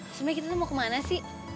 sebenarnya kita tuh mau kemana sih